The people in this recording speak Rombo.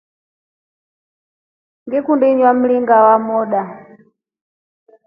Ni nginywa mringa wa mofa.